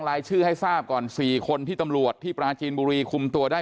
รายชื่อให้ทราบก่อน๔คนที่ตำรวจที่ปราจีนบุรีคุมตัวได้